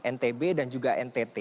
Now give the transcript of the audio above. ntb dan juga ntt